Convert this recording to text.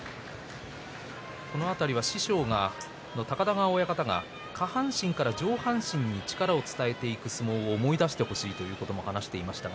この辺りは高田川親方が下半身から上半身に力を伝えていく相撲を思い出してほしいということを話していました。